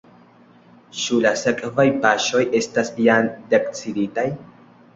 Ĉu la sekvaj paŝoj estas jam deciditaj?